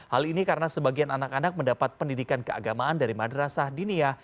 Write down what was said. hal ini karena sebagian anak anak mendapat pendidikan keagamaan dari madrasah dinia